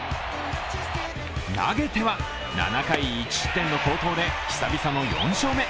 投げては７回１失点の好投で久々の４勝目。